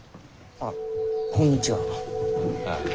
あっ「こんにちは」。ああ。